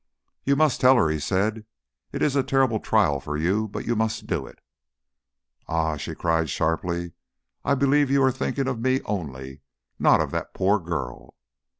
"You must tell her," he said. "It is a terrible trial for you, but you must do it." "Ah!" she cried sharply. "I believe you are thinking of me only, not of that poor girl."